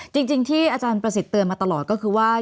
จริงที่อาจารย์ประสิทธิ์เตือนมาตลอดก็คือว่า